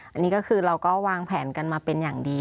อันนี้ก็คือเราก็วางแผนกันมาเป็นอย่างดี